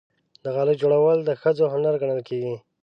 د غالۍ جوړول د ښځو هنر ګڼل کېږي.